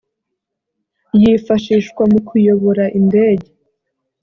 yifashishwa mu kuyobora indege